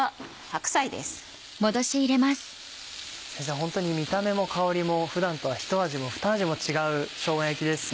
ホントに見た目も香りも普段とはひと味もふた味も違うしょうが焼きですね。